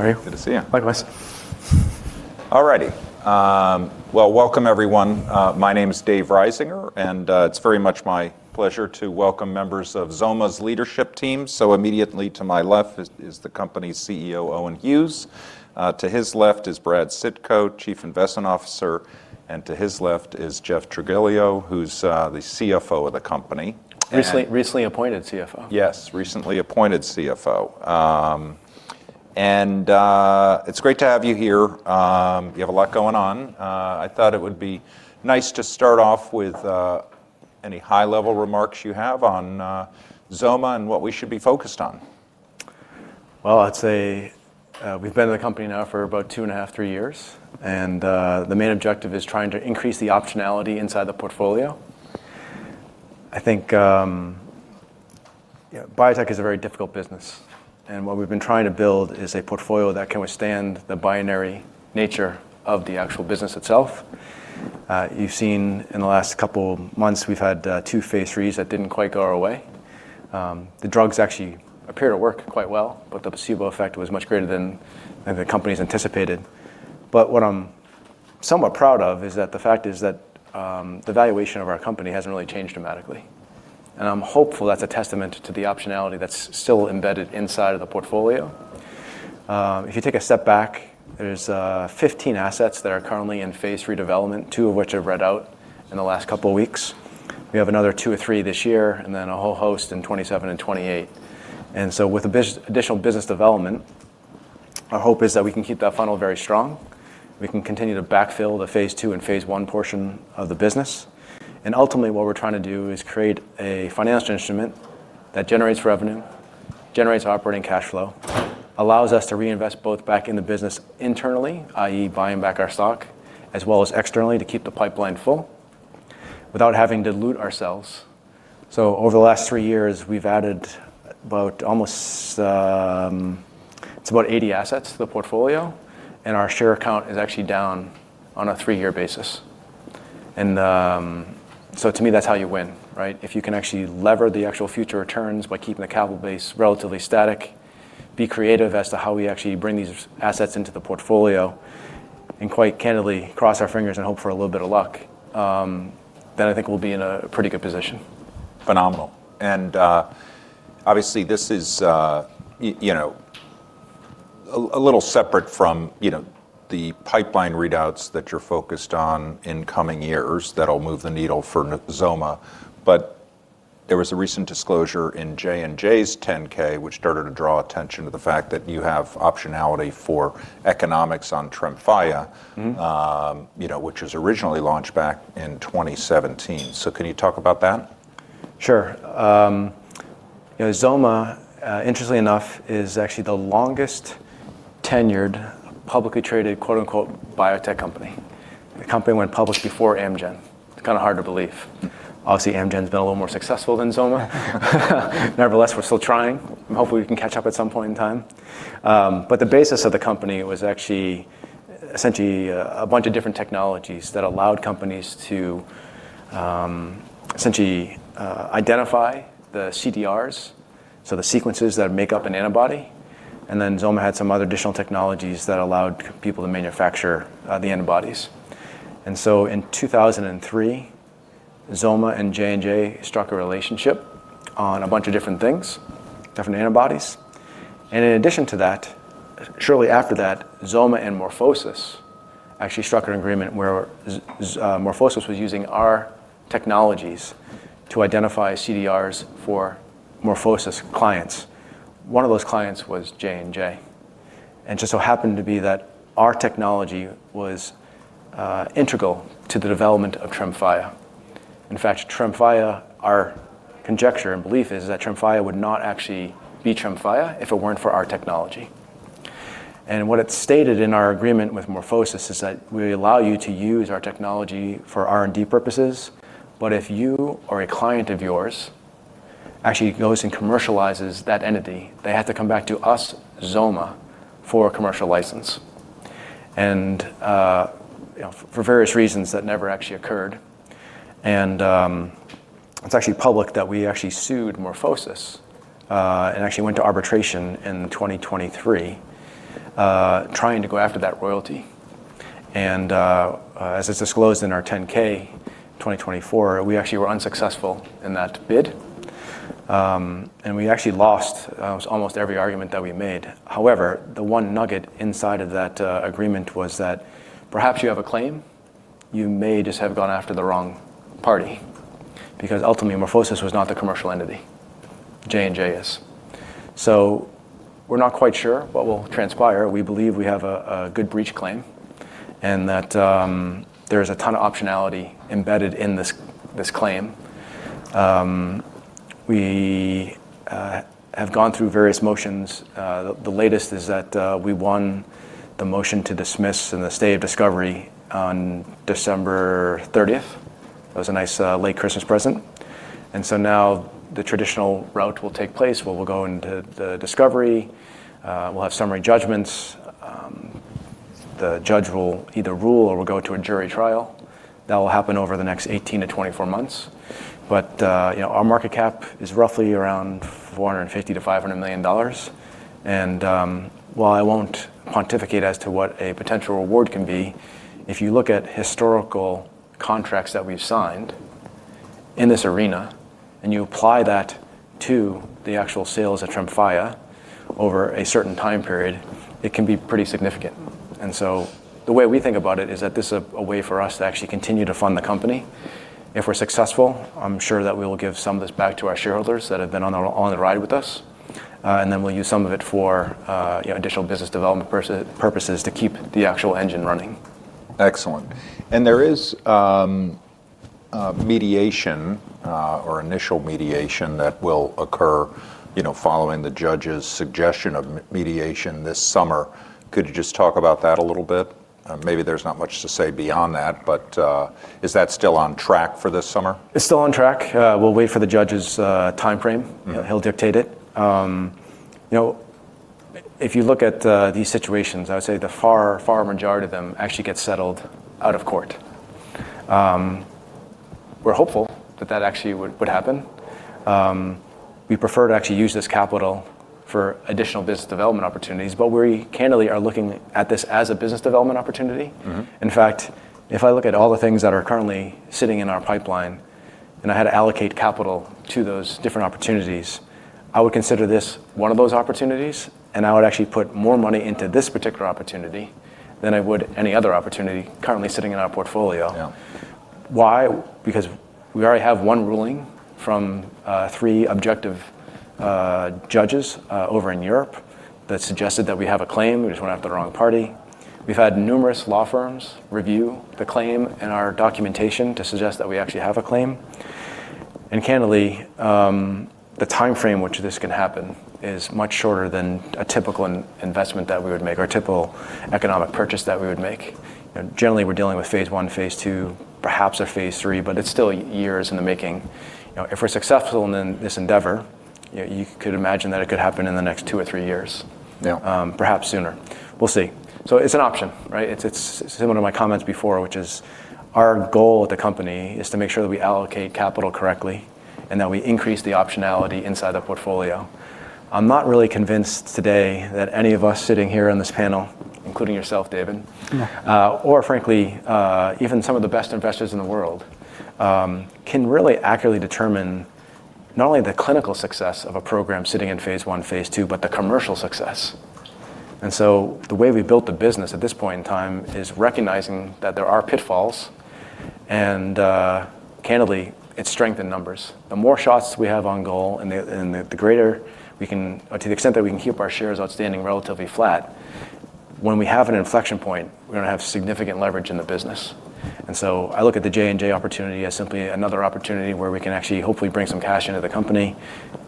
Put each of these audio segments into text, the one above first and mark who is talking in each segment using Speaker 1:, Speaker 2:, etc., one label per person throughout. Speaker 1: How are you?
Speaker 2: Good to see you.
Speaker 1: Likewise.
Speaker 2: All righty. Well, welcome everyone. My name is Dave Risinger, and it's very much my pleasure to welcome members of XOMA's leadership team. Immediately to my left is the company's CEO, Owen Hughes. To his left is Brad Sitko, Chief Investment Officer, and to his left is Jeff Trigilio, who's the CFO of the company.
Speaker 1: Recently appointed CFO.
Speaker 2: Yes. Recently appointed CFO. It's great to have you here. You have a lot going on. I thought it would be nice to start off with any high-level remarks you have on XOMA and what we should be focused on.
Speaker 1: Well, I'd say, we've been at the company now for about 2.5-3 years, and the main objective is trying to increase the optionality inside the portfolio. I think, yeah, biotech is a very difficult business, and what we've been trying to build is a portfolio that can withstand the binary nature of the actual business itself. You've seen in the last couple months we've had two phase IIIs that didn't quite go our way. The drugs actually appear to work quite well, but the placebo effect was much greater than the companies anticipated. But what I'm somewhat proud of is that the fact is that the valuation of our company hasn't really changed dramatically, and I'm hopeful that's a testament to the optionality that's still embedded inside of the portfolio. If you take a step back, there's 15 assets that are currently in phase III development, two of which have read out in the last couple of weeks. We have another two or three this year, and then a whole host in 2027 and 2028. With additional business development, our hope is that we can keep that funnel very strong, we can continue to backfill the phase II and phase I portion of the business, and ultimately what we're trying to do is create a financial instrument that generates revenue, generates operating cash flow, allows us to reinvest both back in the business internally, i.e., buying back our stock, as well as externally to keep the pipeline full without having to dilute ourselves. Over the last three years, we've added about 80 assets to the portfolio, and our share count is actually down on a three-year basis. To me, that's how you win, right? If you can actually leverage the actual future returns by keeping the capital base relatively static, be creative as to how we actually bring these assets into the portfolio, and quite candidly cross our fingers and hope for a little bit of luck, then I think we'll be in a pretty good position.
Speaker 2: Phenomenal. Obviously this is, you know, a little separate from, you know, the pipeline readouts that you're focused on in coming years that'll move the needle for XOMA, but there was a recent disclosure in J&J's 10-K which started to draw attention to the fact that you have optionality for economics on Tremfya.
Speaker 1: Mm-hmm
Speaker 2: you know, which was originally launched back in 2017. Can you talk about that?
Speaker 1: Sure. You know, XOMA, interestingly enough, is actually the longest-tenured, publicly traded, quote-unquote, "biotech company." The company went public before Amgen. It's kinda hard to believe. Obviously, Amgen's been a little more successful than XOMA. Nevertheless, we're still trying, and hopefully we can catch up at some point in time. The basis of the company was actually essentially a bunch of different technologies that allowed companies to essentially identify the CDRs, so the sequences that make up an antibody, and then XOMA had some other additional technologies that allowed companies to manufacture the antibodies. In 2003, XOMA and J&J struck a relationship on a bunch of different things, different antibodies. In addition to that, shortly after that, XOMA and MorphoSys actually struck an agreement where MorphoSys was using our technologies to identify CDRs for MorphoSys clients. One of those clients was J&J, and it just so happened to be that our technology was integral to the development of Tremfya. In fact, Tremfya, our conjecture and belief is that Tremfya would not actually be Tremfya if it weren't for our technology. What it stated in our agreement with MorphoSys is that we allow you to use our technology for R&D purposes, but if you or a client of yours actually goes and commercializes that entity, they have to come back to us, XOMA, for a commercial license. You know, for various reasons, that never actually occurred. It's actually public that we actually sued MorphoSys, and actually went to arbitration in 2023, trying to go after that royalty. As it's disclosed in our 10-K 2024, we actually were unsuccessful in that bid, and we actually lost, almost every argument that we made. However, the one nugget inside of that agreement was that perhaps you have a claim. You may just have gone after the wrong party, because ultimately MorphoSys was not the commercial entity. J&J is. We're not quite sure what will transpire. We believe we have a good breach claim and that, there's a ton of optionality embedded in this claim. We have gone through various motions. The latest is that, we won the motion to dismiss in the stage of discovery on December 30th. That was a nice late Christmas present. Now the traditional route will take place where we'll go into the discovery, we'll have summary judgments. The judge will either rule or we'll go to a jury trial. That will happen over the next 18-24 months. You know, our market cap is roughly around $450-$500 million. While I won't pontificate as to what a potential award can be, if you look at historical contracts that we've signed in this arena, and you apply that to the actual sales of Tremfya over a certain time period, it can be pretty significant. The way we think about it is that this is a way for us to actually continue to fund the company. If we're successful, I'm sure that we will give some of this back to our shareholders that have been on the ride with us. We'll use some of it for, you know, additional business development purposes to keep the actual engine running.
Speaker 2: Excellent. There is mediation or initial mediation that will occur, you know, following the judge's suggestion of mediation this summer. Could you just talk about that a little bit? Maybe there's not much to say beyond that, but is that still on track for this summer?
Speaker 1: It's still on track. We'll wait for the judge's timeframe.
Speaker 2: Mm-hmm.
Speaker 1: He'll dictate it. You know, if you look at these situations, I would say the far, far majority of them actually get settled out of court. We're hopeful that actually would happen. We prefer to actually use this capital for additional business development opportunities, but we candidly are looking at this as a business development opportunity.
Speaker 2: Mm-hmm.
Speaker 1: In fact, if I look at all the things that are currently sitting in our pipeline and I had to allocate capital to those different opportunities, I would consider this one of those opportunities, and I would actually put more money into this particular opportunity than I would any other opportunity currently sitting in our portfolio.
Speaker 2: Yeah.
Speaker 1: Why? Because we already have one ruling from three objective judges over in Europe that suggested that we have a claim. We just went after the wrong party. We've had numerous law firms review the claim and our documentation to suggest that we actually have a claim. Candidly, the timeframe which this can happen is much shorter than a typical investment that we would make or a typical economic purchase that we would make. You know, generally we're dealing with phase I, phase II, perhaps a phase III, but it's still years in the making. You know, if we're successful in this endeavor, you could imagine that it could happen in the next two or three years.
Speaker 2: Yeah.
Speaker 1: Perhaps sooner. We'll see. It's an option, right? It's similar to my comments before, which is our goal at the company is to make sure that we allocate capital correctly and that we increase the optionality inside the portfolio. I'm not really convinced today that any of us sitting here on this panel, including yourself, Dave.
Speaker 2: Yeah
Speaker 1: Or frankly, even some of the best investors in the world can really accurately determine not only the clinical success of a program sitting in phase I, phase II, but the commercial success. The way we built the business at this point in time is recognizing that there are pitfalls, and candidly, it's strength in numbers. The more shots we have on goal and the greater we can or to the extent that we can keep our shares outstanding relatively flat, when we have an inflection point, we're gonna have significant leverage in the business. I look at the J&J opportunity as simply another opportunity where we can actually hopefully bring some cash into the company.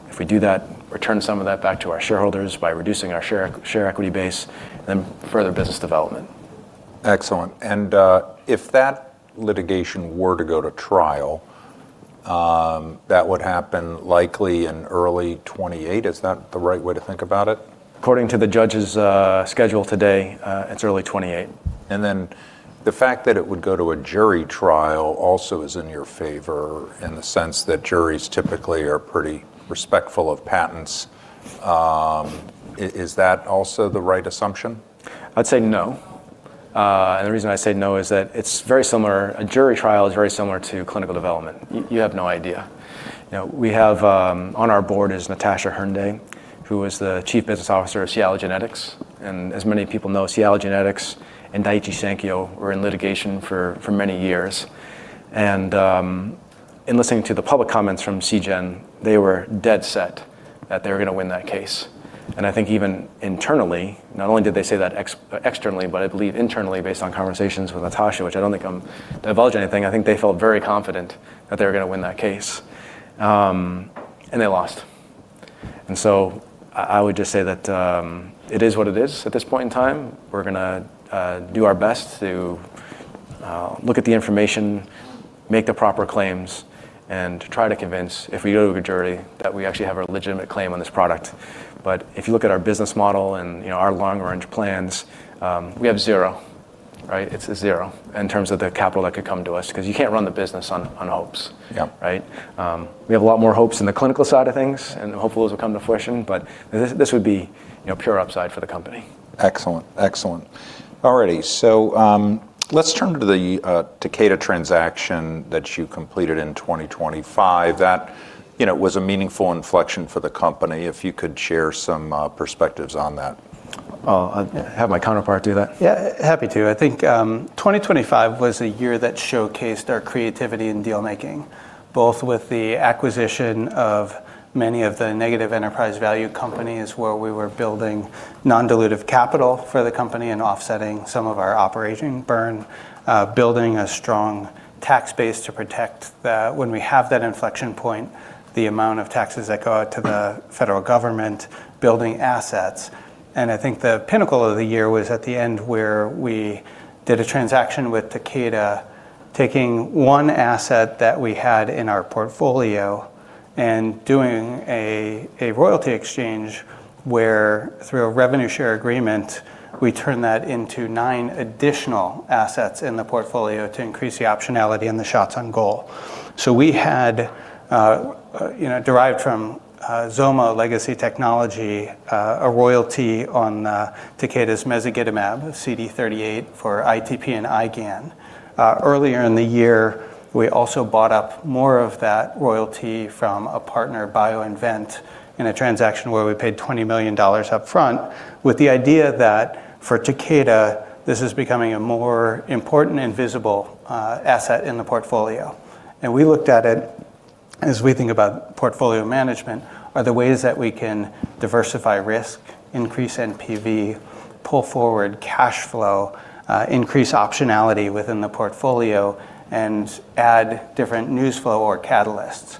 Speaker 1: If we do that, return some of that back to our shareholders by reducing our share equity base, then further business development.
Speaker 2: Excellent. If that litigation were to go to trial, that would happen likely in early 2028. Is that the right way to think about it?
Speaker 1: According to the judge's schedule today, it's early 2028.
Speaker 2: The fact that it would go to a jury trial also is in your favor in the sense that juries typically are pretty respectful of patents. Is that also the right assumption?
Speaker 1: I'd say no. The reason I say no is that it's very similar. A jury trial is very similar to clinical development. You have no idea. You know, we have on our board Natasha Hernday, who is the chief business officer of Seagen. As many people know, Seagen and Daiichi Sankyo were in litigation for many years. In listening to the public comments from Seagen, they were dead set that they were gonna win that case. I think even internally, not only did they say that externally, but I believe internally based on conversations with Natasha, which I don't think I'm divulging anything, I think they felt very confident that they were gonna win that case. They lost. I would just say that it is what it is at this point in time. We're gonna do our best to look at the information, make the proper claims, and try to convince, if we go to a jury, that we actually have a legitimate claim on this product. If you look at our business model and, you know, our long-range plans, we have zero, right? It's zero in terms of the capital that could come to us, 'cause you can't run the business on hopes.
Speaker 2: Yeah.
Speaker 1: Right? We have a lot more hopes in the clinical side of things, and hopefully those will come to fruition, but this would be, you know, pure upside for the company.
Speaker 2: Excellent. All righty. Let's turn to the Takeda transaction that you completed in 2025. That, you know, was a meaningful inflection for the company, if you could share some perspectives on that.
Speaker 1: I'll have my counterpart do that.
Speaker 3: Yeah, happy to. I think 2025 was a year that showcased our creativity in deal-making, both with the acquisition of many of the negative enterprise value companies where we were building non-dilutive capital for the company and offsetting some of our operating burn, building a strong tax base to protect the when we have that inflection point, the amount of taxes that go out to the federal government, building assets. I think the pinnacle of the year was at the end where we did a transaction with Takeda. Taking one asset that we had in our portfolio and doing a royalty exchange where through a revenue share agreement, we turn that into nine additional assets in the portfolio to increase the optionality and the shots on goal. We had, you know, derived from XOMA legacy technology, a royalty on Takeda's mezagitamab CD38 for ITP and IgAN. Earlier in the year, we also bought up more of that royalty from a partner, BioInvent, in a transaction where we paid $20 million upfront with the idea that for Takeda, this is becoming a more important and visible asset in the portfolio. We looked at it as we think about portfolio management are the ways that we can diversify risk, increase NPV, pull forward cash flow, increase optionality within the portfolio and add different news flow or catalysts.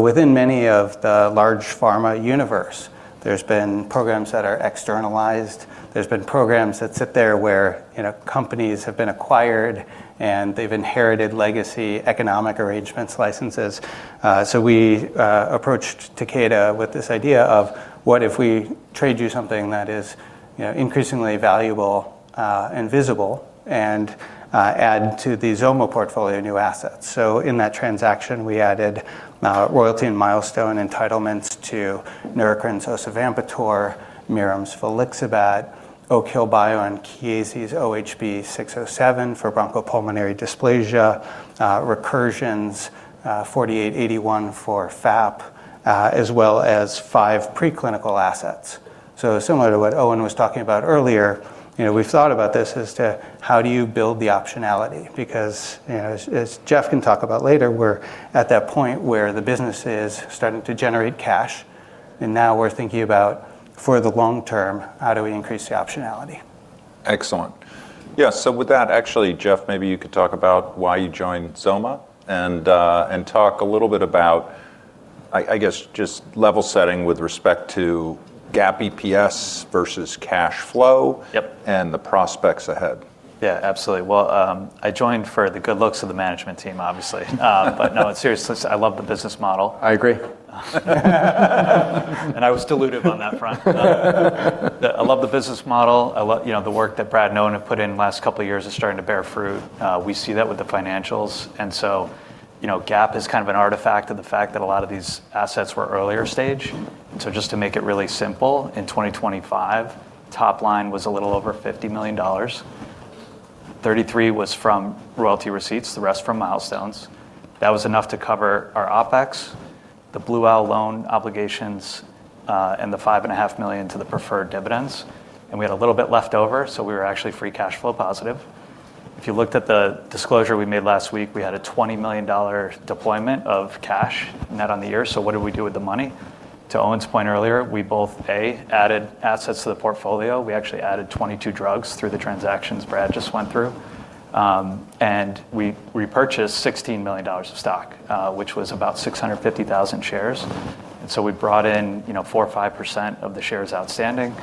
Speaker 3: Within many of the large pharma universe, there's been programs that are externalized, there's been programs that sit there where, you know, companies have been acquired, and they've inherited legacy economic arrangements licenses. We approached Takeda with this idea of, what if we trade you something that is, you know, increasingly valuable, and visible and add to the XOMA portfolio new assets. In that transaction, we added royalty and milestone entitlements to Neurocrine's osavampator, Mirum's volixibat, Oak Hill Bio and Chiesi's OHB-607 for bronchopulmonary dysplasia, Recursion's 4881 for FAP, as well as five preclinical assets. Similar to what Owen was talking about earlier, you know, we've thought about this as to how do you build the optionality because, you know, as Jeff can talk about later, we're at that point where the business is starting to generate cash, and now we're thinking about for the long term, how do we increase the optionality.
Speaker 2: Excellent. Yeah. With that, actually, Jeff, maybe you could talk about why you joined XOMA and talk a little bit about, I guess, just level setting with respect to GAAP EPS versus cash flow.
Speaker 4: Yep
Speaker 2: And the prospects ahead.
Speaker 4: Yeah. Absolutely. Well, I joined for the good looks of the management team, obviously. No, seriously, I love the business model.
Speaker 3: I agree.
Speaker 4: I was dilutive on that front. I love the business model. You know, the work that Brad and Owen have put in the last couple of years is starting to bear fruit. We see that with the financials. You know, GAAP is kind of an artifact of the fact that a lot of these assets were earlier stage. Just to make it really simple, in 2025, top line was a little over $50 million. 33 was from royalty receipts, the rest from milestones. That was enough to cover our OpEx, the Blue Owl loan obligations, and the $5.5 million to the preferred dividends. We had a little bit left over, so we were actually free cash flow positive. If you looked at the disclosure we made last week, we had a $20 million deployment of cash net on the year. What did we do with the money? To Owen's point earlier, we both, A, added assets to the portfolio. We actually added 22 drugs through the transactions Brad just went through. And we repurchased $16 million of stock, which was about 650,000 shares. We brought in, you know, 4% or 5% of the shares outstanding.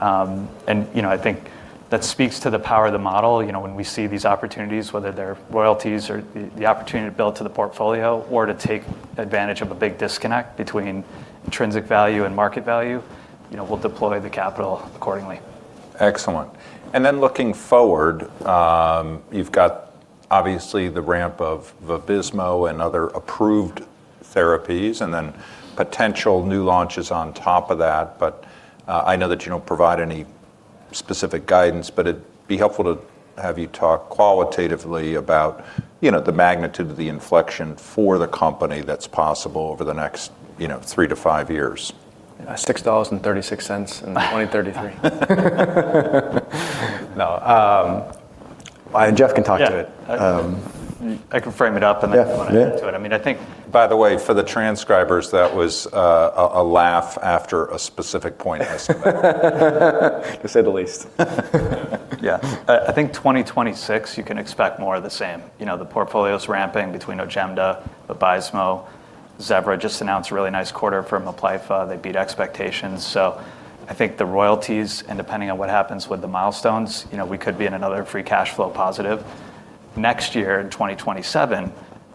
Speaker 4: And you know, I think that speaks to the power of the model. You know, when we see these opportunities, whether they're royalties or the opportunity to build to the portfolio or to take advantage of a big disconnect between intrinsic value and market value, you know, we'll deploy the capital accordingly.
Speaker 2: Excellent. Then looking forward, you've got obviously the ramp of Vabysmo and other approved therapies and then potential new launches on top of that. I know that you don't provide any specific guidance, but it'd be helpful to have you talk qualitatively about, you know, the magnitude of the inflection for the company that's possible over the next, you know, three to five years.
Speaker 4: $6.36cents in 2023.
Speaker 3: No, Jeff can talk to it.
Speaker 4: Yeah. I can frame it up and then-
Speaker 3: Yeah
Speaker 4: I'll get to it. I mean, I think.
Speaker 2: By the way, for the transcribers, that was a laugh after a specific point estimate.
Speaker 3: To say the least.
Speaker 4: Yeah. I think 2026, you can expect more of the same. You know, the portfolio's ramping between Ojemda, Vabysmo. Lilly just announced a really nice quarter for Mounjaro. They beat expectations. So I think the royalties, and depending on what happens with the milestones, you know, we could be in another free cash flow positive. Next year, in 2027,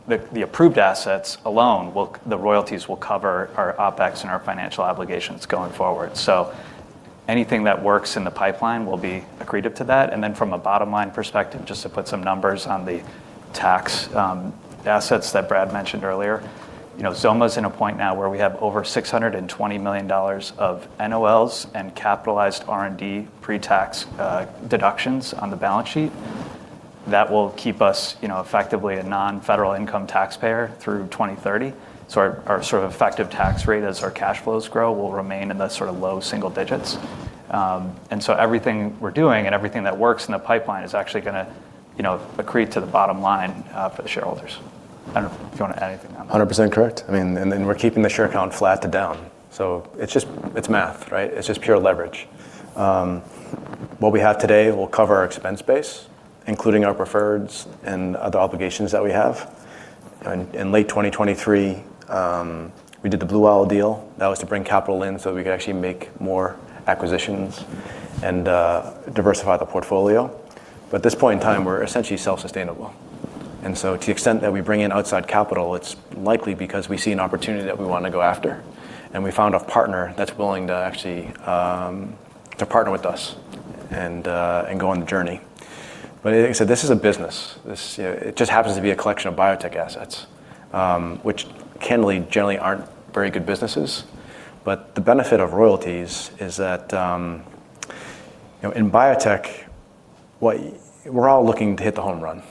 Speaker 4: the approved assets alone will—the royalties will cover our OpEx and our financial obligations going forward. So anything that works in the pipeline will be accretive to that. Then from a bottom-line perspective, just to put some numbers on the tax assets that Brad mentioned earlier, you know, XOMA's at a point now where we have over $620 million of NOLs and capitalized R&D pre-tax deductions on the balance sheet. That will keep us, you know, effectively a non-federal income taxpayer through 2030. Our sort of effective tax rate as our cash flows grow will remain in the sort of low single digits. Everything we're doing and everything that works in the pipeline is actually gonna, you know, accrete to the bottom line, for the shareholders. I don't know if you want to add anything on that.
Speaker 3: 100% correct. I mean, we're keeping the share count flat to down. It's just, it's math, right? It's just pure leverage. What we have today will cover our expense base, including our preferreds and other obligations that we have.
Speaker 1: In late 2023, we did the Blue Owl deal. That was to bring capital in so we could actually make more acquisitions and diversify the portfolio. At this point in time, we're essentially self-sustainable. To the extent that we bring in outside capital, it's likely because we see an opportunity that we wanna go after, and we found a partner that's willing to actually to partner with us and go on the journey. Like I said, this is a business. It just happens to be a collection of biotech assets, which candidly, generally aren't very good businesses. The benefit of royalties is that, you know, in biotech, we're all looking to hit the home run,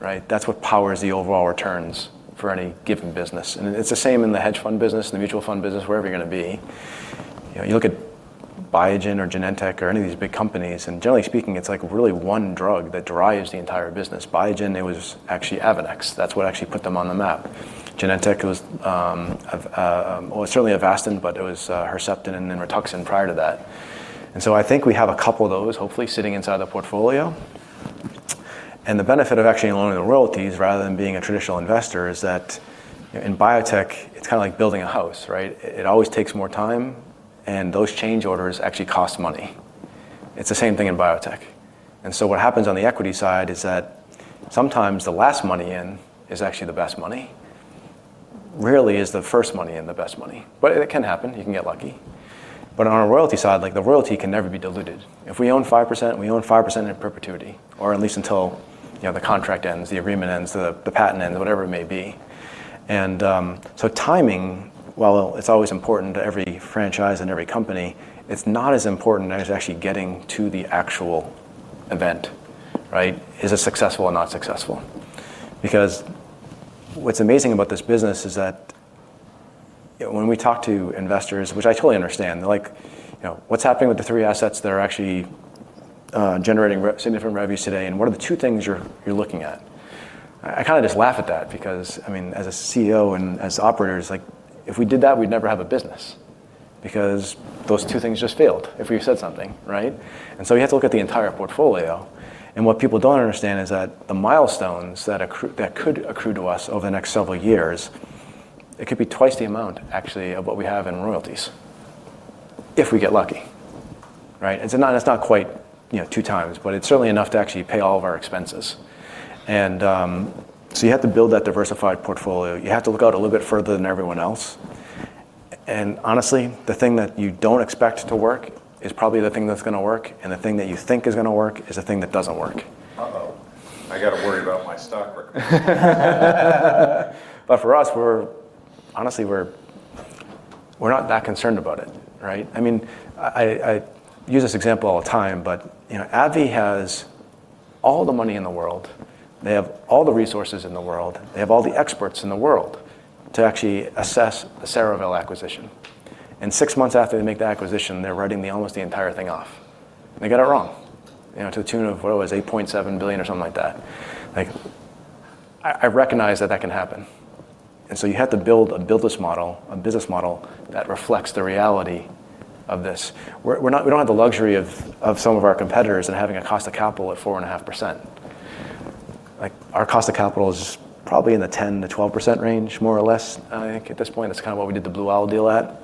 Speaker 1: right? That's what powers the overall returns for any given business. It's the same in the hedge fund business, the mutual fund business, wherever you're gonna be. You know, you look at Biogen or Genentech or any of these big companies, and generally speaking, it's like really one drug that drives the entire business. Biogen, it was actually Avonex. That's what actually put them on the map. Genentech, it was, well, certainly Avastin, but it was Herceptin and then Rituxan prior to that. I think we have a couple of those, hopefully, sitting inside the portfolio. The benefit of actually owning the royalties rather than being a traditional investor is that in biotech, it's kinda like building a house, right? It always takes more time, and those change orders actually cost money. It's the same thing in biotech. What happens on the equity side is that sometimes the last money in is actually the best money. Rarely is the first money in the best money. It can happen, you can get lucky. On a royalty side, like, the royalty can never be diluted. If we own 5%, we own 5% in perpetuity, or at least until, you know, the contract ends, the agreement ends, the patent ends, whatever it may be. Timing, while it's always important to every franchise and every company, it's not as important as actually getting to the actual event, right? Is it successful or not successful? What's amazing about this business is that when we talk to investors, which I totally understand, they're like, "You know, what's happening with the three assets that are actually generating significant revenues today, and what are the two things you're looking at?" I kinda just laugh at that because, I mean, as a CEO and as operators, like, if we did that, we'd never have a business because those two things just failed if we said something, right? You have to look at the entire portfolio. What people don't understand is that the milestones that could accrue to us over the next several years, it could be twice the amount actually of what we have in royalties, if we get lucky, right? It's not quite, you know, two times, but it's certainly enough to actually pay all of our expenses. So you have to build that diversified portfolio. You have to look out a little bit further than everyone else. Honestly, the thing that you don't expect to work is probably the thing that's gonna work, and the thing that you think is gonna work is the thing that doesn't work.
Speaker 2: Uh-oh. I gotta worry about my stock right now.
Speaker 1: For us, we're honestly we're not that concerned about it, right? I mean, I use this example all the time, but you know, AbbVie has all the money in the world, they have all the resources in the world, they have all the experts in the world to actually assess the Cerevel acquisition. Six months after they make that acquisition, they're writing almost the entire thing off. They got it wrong, you know, to the tune of, what was it? $8.7 billion or something like that. Like, I recognize that that can happen. You have to build a business model, a business model that reflects the reality of this. We don't have the luxury of some of our competitors having a cost of capital at 4.5%. Like, our cost of capital is probably in the 10%-12% range, more or less, I think, at this point. That's kinda what we did the Blue Owl deal at.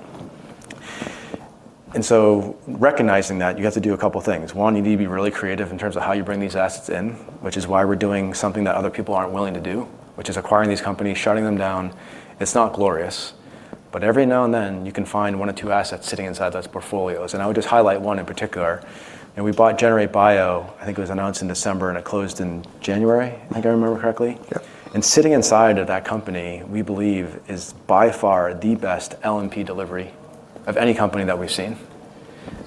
Speaker 1: Recognizing that, you have to do a couple things. One, you need to be really creative in terms of how you bring these assets in, which is why we're doing something that other people aren't willing to do, which is acquiring these companies, shutting them down. It's not glorious, but every now and then, you can find one or two assets sitting inside those portfolios. I would just highlight one in particular. You know, we bought Generation Bio, I think it was announced in December, and it closed in January, I think I remember correctly.
Speaker 2: Yeah.
Speaker 1: Sitting inside of that company, we believe, is by far the best LNP delivery of any company that we've seen.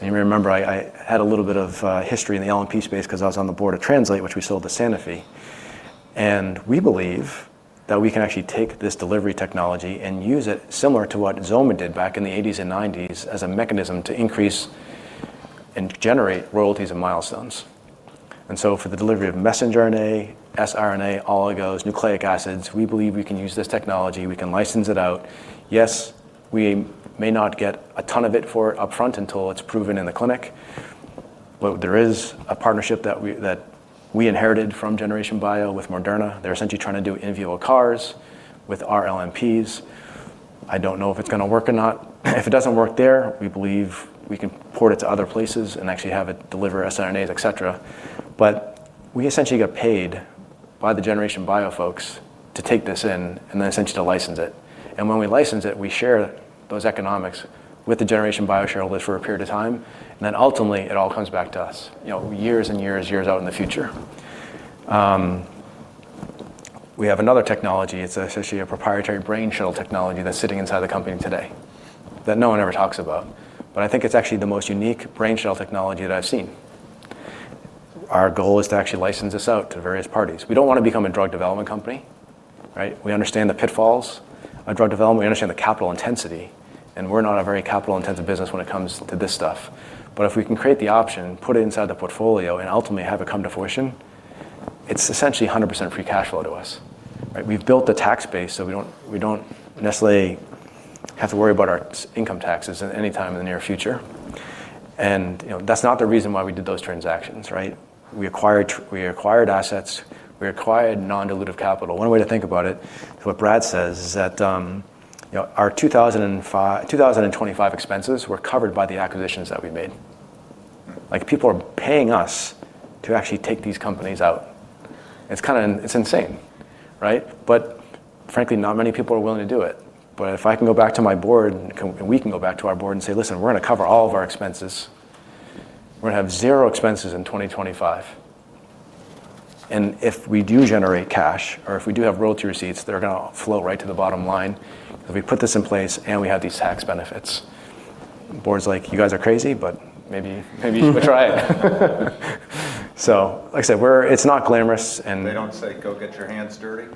Speaker 1: You may remember, I had a little bit of history in the LNP space 'cause I was on the board of Translate, which we sold to Sanofi. We believe that we can actually take this delivery technology and use it similar to what XOMA did back in the 1980s and 1990s as a mechanism to increase and generate royalties and milestones. For the delivery of messenger RNA, sRNA, oligos, nucleic acids, we believe we can use this technology, we can license it out. Yes, we may not get a ton of it for upfront until it's proven in the clinic, but there is a partnership that we inherited from Generation Bio with Moderna. They're essentially trying to do in vivo CARs with our LNPs. I don't know if it's gonna work or not. If it doesn't work there, we believe we can port it to other places and actually have it deliver mRNAs, et cetera. We essentially get paid by the Generation Bio folks to take this in and then essentially to license it. When we license it, we share those economics with the Generation Bio shareholders for a period of time, and then ultimately, it all comes back to us, you know, years and years out in the future. We have another technology. It's essentially a proprietary Brainshuttle technology that's sitting inside the company today that no one ever talks about. I think it's actually the most unique Brainshuttle technology that I've seen. Our goal is to actually license this out to various parties. We don't wanna become a drug development company, right? We understand the pitfalls of drug development. We understand the capital intensity, and we're not a very capital-intensive business when it comes to this stuff. But if we can create the option, put it inside the portfolio, and ultimately have it come to fruition, it's essentially 100% free cash flow to us, right? We've built the tax base, so we don't necessarily have to worry about our income taxes at any time in the near future. You know, that's not the reason why we did those transactions, right? We acquired assets, we acquired non-dilutive capital. One way to think about it, what Brad says, is that, you know, our 2025 expenses were covered by the acquisitions that we made.
Speaker 2: Mm.
Speaker 1: Like, people are paying us to actually take these companies out. It's kinda. It's insane, right? Frankly, not many people are willing to do it. If I can go back to my board and we can go back to our board and say, "Listen, we're gonna cover all of our expenses. We're gonna have zero expenses in 2025. And if we do generate cash, or if we do have royalty receipts, they're gonna flow right to the bottom line if we put this in place and we have these tax benefits." The board's like, "You guys are crazy, but maybe you should try it." Like I said, we're. It's not glamorous and.
Speaker 2: They don't say, "Go get your hands dirty"?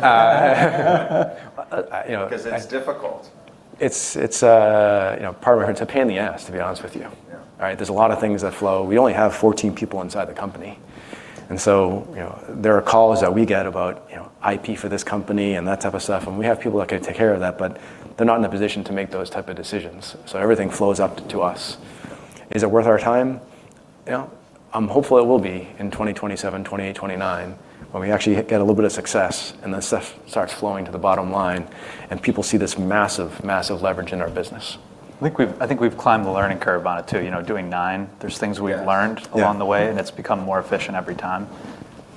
Speaker 1: Uh, uh, you know, I-
Speaker 2: 'Cause it's difficult.
Speaker 1: It's you know, part of me, it's a pain in the ass to be honest with you.
Speaker 2: Yeah.
Speaker 1: All right. There's a lot of things that flow. We only have 14 people inside the company, and so, you know, there are calls that we get about, you know, IP for this company and that type of stuff, and we have people that can take care of that, but they're not in a position to make those type of decisions, so everything flows up to us. Is it worth our time? You know, I'm hopeful it will be in 2027, 2028, 2029 when we actually get a little bit of success and the stuff starts flowing to the bottom line and people see this massive leverage in our business.
Speaker 4: I think we've climbed the learning curve on it too. You know, doing nine, there's things we've learned.
Speaker 1: Yeah
Speaker 4: Along the way, and it's become more efficient every time.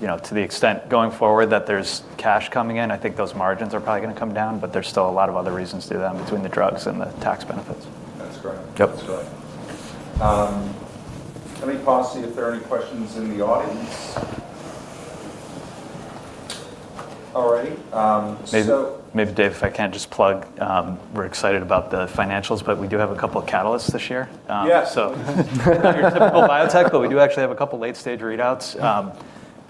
Speaker 4: You know, to the extent, going forward, that there's cash coming in, I think those margins are probably gonna come down, but there's still a lot of other reasons to do them between the drugs and the tax benefits.
Speaker 2: That's great.
Speaker 4: Yep.
Speaker 2: That's great. Let me pause, see if there are any questions in the audience. All righty.
Speaker 4: Maybe Dave, if I can just plug, we're excited about the financials, but we do have a couple of catalysts this year.
Speaker 2: Yes.
Speaker 4: Not your typical biotech, but we do actually have a couple of late-stage readouts.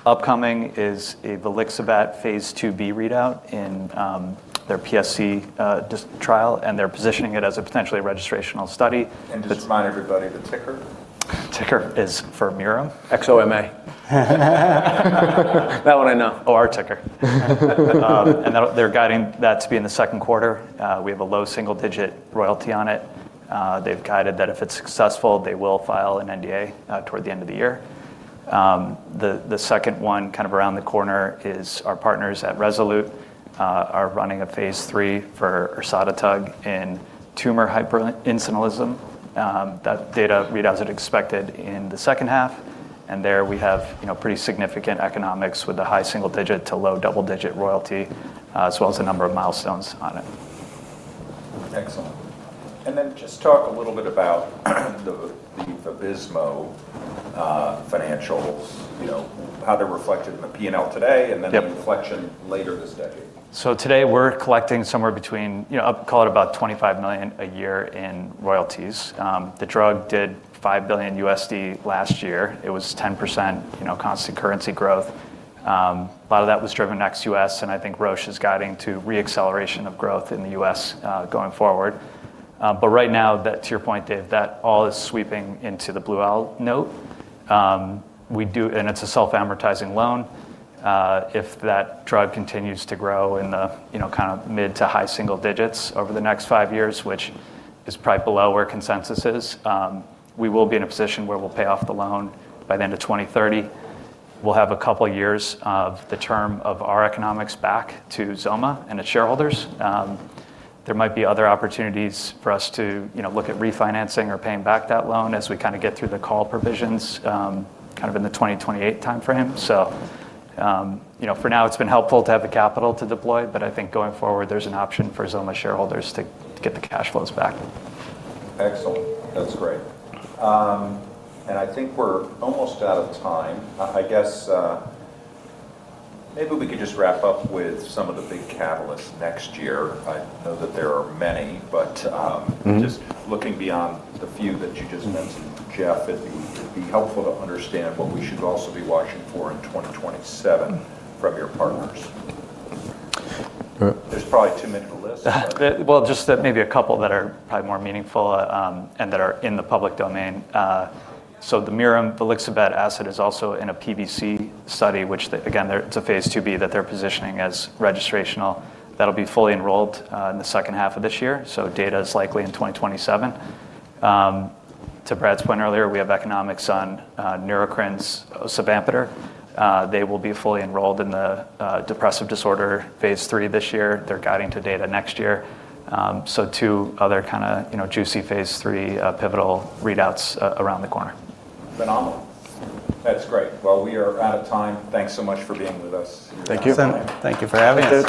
Speaker 4: Upcoming is the volixibat phase IIb readout in their PSC trial, and they're positioning it as a potentially registrational study.
Speaker 2: Just remind everybody the ticker.
Speaker 4: Ticker is for Mirum.
Speaker 1: XOMA.
Speaker 4: That one I know.
Speaker 1: Oh, our ticker.
Speaker 4: They're guiding that to be in the second quarter. We have a low single digit royalty on it. They've guided that if it's successful, they will file an NDA toward the end of the year. The second one kind of around the corner is our partners at Rezolute are running a phase III for ersodetug in congenital hyperinsulinism. That data readout is expected in the second half, and there we have, you know, pretty significant economics with the high single digit to low double digit royalty, as well as the number of milestones on it.
Speaker 2: Excellent. Just talk a little bit about the Vabysmo financials, you know, how they're reflected in the P&L today.
Speaker 4: Yep
Speaker 2: The reflection later this decade.
Speaker 4: Today we're collecting somewhere between call it about $25 million a year in royalties. The drug did $5 billion last year. It was 10% constant currency growth. A lot of that was driven ex-U.S., and I think Roche is guiding to re-acceleration of growth in the U.S. going forward. But right now, that, to your point, Dave, that all is sweeping into the Blue Owl note. It's a self-amortizing loan. If that drug continues to grow in the kind of mid to high single digits over the next five years, which is probably below where consensus is, we will be in a position where we'll pay off the loan by the end of 2030. We'll have a couple of years of the term of our economics back to XOMA and its shareholders. There might be other opportunities for us to, you know, look at refinancing or paying back that loan as we kinda get through the call provisions, kind of in the 2020-2028 timeframe. You know, for now, it's been helpful to have the capital to deploy, but I think going forward, there's an option for XOMA shareholders to get the cash flows back.
Speaker 2: Excellent. That's great. I think we're almost out of time. I guess maybe we could just wrap up with some of the big catalysts next year. I know that there are many, but.
Speaker 4: Mm-hmm
Speaker 2: Just looking beyond the few that you just mentioned, Jeff, it'd be helpful to understand what we should also be watching for in 2027 from your partners.
Speaker 4: Sure.
Speaker 2: There's probably too many to list.
Speaker 4: Well, just that maybe a couple that are probably more meaningful and that are in the public domain. Mirum's volixibat is also in a PSC study. It's a phase IIb that they're positioning as registrational. That'll be fully enrolled in the second half of this year, so data is likely in 2027. To Brad's point earlier, we have economics on Neurocrine's osavampator. They will be fully enrolled in the depressive disorder phase III this year. They're guiding to data next year. Two other kinda, you know, juicy phase III pivotal readouts around the corner.
Speaker 2: Phenomenal. That's great. Well, we are out of time. Thanks so much for being with us.
Speaker 3: Thank you.
Speaker 4: Excellent.
Speaker 1: Thank you for having us.